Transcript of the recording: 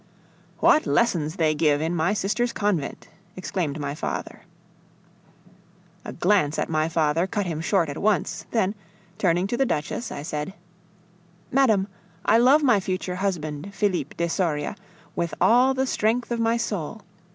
"What lessons they give in my sister's convent!" exclaimed my father. A glance at my father cut him short at once; then, turning to the Duchess, I said: "Madame, I love my future husband, Felipe de Soria, with all the strength of my soul.